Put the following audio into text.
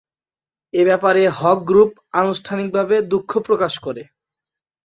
এ ব্যাপারে হক গ্রুপ আনুষ্ঠানিকভাবে দুঃখ প্রকাশ করে।